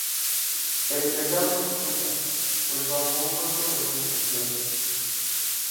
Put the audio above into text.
El pecado se oculta, pues, bajo un manto de buenas acciones.